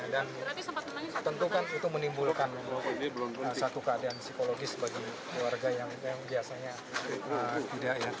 dan tentu kan itu menimbulkan satu keadaan psikologis bagi keluarga yang biasanya tidak